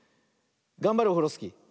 がんばれオフロスキー。